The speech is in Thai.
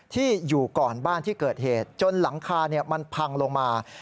ที่อยู่ก่อนบ้านที่เกิดเหตุจนหลังคามันพังลงมา